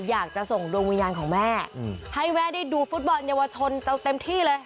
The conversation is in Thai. อยากจะส่งดวงวิญญาณของแม่ให้แม่ได้ดูฟุตบอลเยาวชนเต็มที่เลย